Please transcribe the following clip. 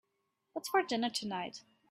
What's for dinner tonight?